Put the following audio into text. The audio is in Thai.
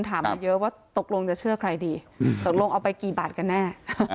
มาเยอะว่าตกลงจะเชื่อใครดีตกลงเอาไปกี่บาทกันแน่